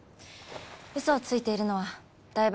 嘘をついているのは台場